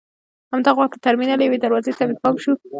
همدغه وخت د ټرمینل یوې دروازې ته مې پام شو.